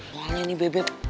soalnya nih bebek